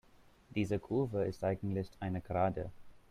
Diese Kurve ist eigentlich eine Gerade.